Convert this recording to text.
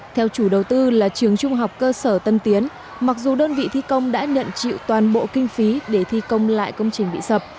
theo chủ đầu tư là trường trung học cơ sở tân tiến mặc dù đơn vị thi công đã nhận chịu toàn bộ kinh phí để thi công lại công trình bị sập